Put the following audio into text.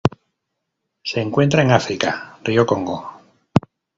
Se encuentran en África: rio Congo.